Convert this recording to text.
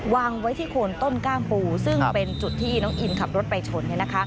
วางไว้ที่โคนต้นกล้ามปูซึ่งเป็นจุดที่น้องอินขับรถไปชน